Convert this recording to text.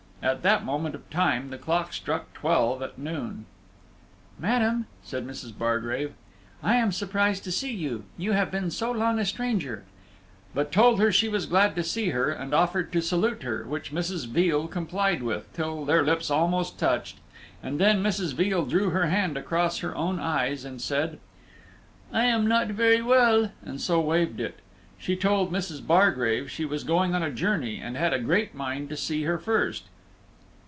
At that moment of time the clock struck twelve at noon. "Madam," says Mrs. Bargrave, "I am surprised to see you, you have been so long a stranger"; but told her she was glad to see her, and offered to salute her, which Mrs. Veal complied with, till their lips almost touched, and then Mrs. Veal drew her hand across her own eyes, and said, "I am not very well," and so waived it. She told Mrs. Bargrave she was going a journey, and had a great mind to see her first.